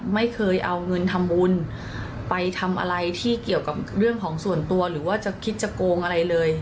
ไม่เคยเอาเงินทำบุญไปทำอะไรที่เกี่ยวกับเรื่องของส่วนตัวหรือว่าจะคิดจะโกงอะไรเลย